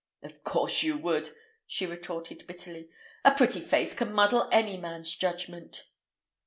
"Of course you would," she retorted bitterly. "A pretty face can muddle any man's judgment."